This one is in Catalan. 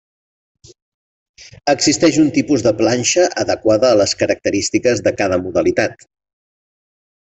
Existeix un tipus de planxa adequada a les característiques de cada modalitat.